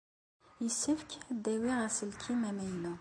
Yessefk ad d-awiɣ aselkim amaynu.